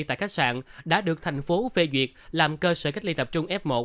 tại khách sạn đã được thành phố phê duyệt làm cơ sở cách ly tập trung f một